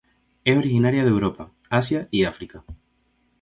Es originaria de Europa, Asia y África.